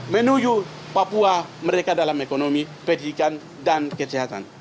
menuju papua mereka dalam ekonomi pendidikan dan kesehatan